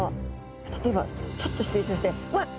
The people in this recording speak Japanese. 例えばちょっと失礼しましてわっ！